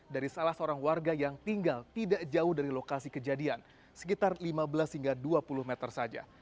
dari salah seorang warga yang tinggal tidak jauh dari lokasi kejadian sekitar lima belas hingga dua puluh meter saja